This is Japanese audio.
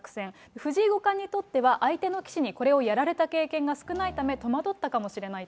藤井五冠にとっては、相手の棋士にこれをやられた経験が少ないため、戸惑ったかもしれないと。